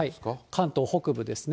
関東北部ですね。